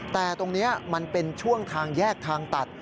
แต่ตรงนี้มันเป็นช่วงทางแยกทางตัด